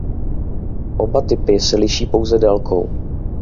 Oba typy se liší pouze délkou.